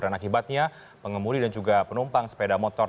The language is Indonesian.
dan akibatnya pengemudi dan juga penumpang sepeda motor